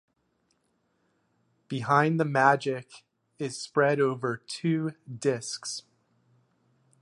"Behind the Magic" is spread over two discs.